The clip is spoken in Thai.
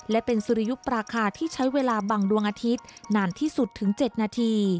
และเป็นสุริยุปราคาที่ใช้เวลาบังดวงอาทิตย์นานที่สุดถึง๗นาที